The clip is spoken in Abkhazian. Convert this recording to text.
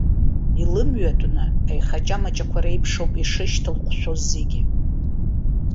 Илымҩатәны, аихаҷамаҷақәа реиԥш ауп ишышьҭылҟәшәо зегь!